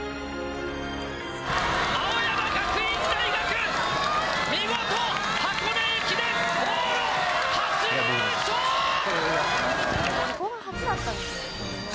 青山学院大学、見事箱根駅伝往路初優勝。